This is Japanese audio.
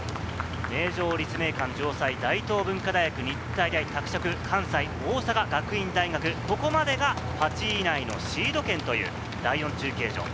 名城、立命館、城西、大東文化大学、日体大、拓殖、関西、大阪学院大学、ここまでが８位以内のシード権という第４中継所。